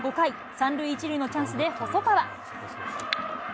３塁１塁のチャンスで細川。